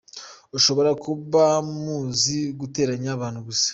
Ushobora kuba muzi guteranya abantu gusa.